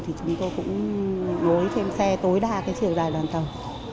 thì chúng tôi cũng nối thêm xe tối đa chiều dài đoàn tàu